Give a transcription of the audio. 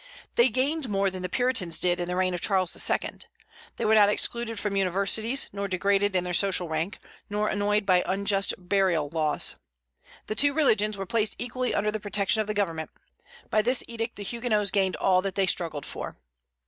They gained more than the Puritans did in the reign of Charles II. They were not excluded from universities, nor degraded in their social rank, nor annoyed by unjust burial laws. The two religions were placed equally under the protection of the government. By this edict the Huguenots gained all that they had struggled for.